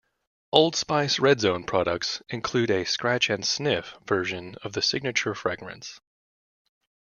Old Spice Red Zone products include a "Scratch-and-sniff" version of the Signature fragrance.